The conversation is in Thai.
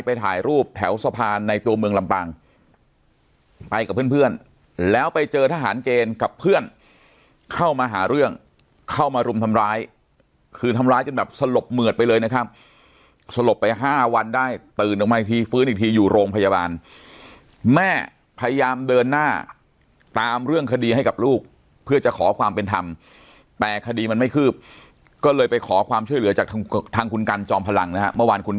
ภาคภูมิภาคภูมิภาคภูมิภาคภูมิภาคภูมิภาคภูมิภาคภูมิภาคภูมิภาคภูมิภาคภูมิภาคภูมิภาคภูมิภาคภูมิภาคภูมิภาคภูมิภาคภูมิภาคภูมิภาคภูมิภาคภูมิภาคภูมิภาคภูมิภาคภูมิ